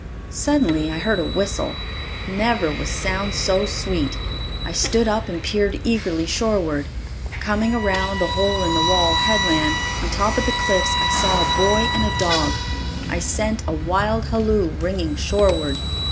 Suddenly I heard a whistle. Never was sound so sweet. I stood up and peered eagerly shoreward. Coming around the "Hole in the Wall" headland, on top of the cliffs, I saw a boy and a dog. I sent a wild halloo ringing shoreward.